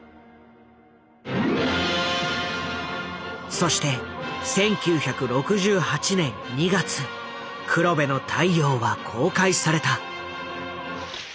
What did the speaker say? そして１９６８年２月「黒部の太陽」は公開された。